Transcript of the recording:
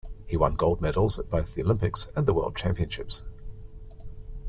He won gold medals at both the Olympics and the World Championships.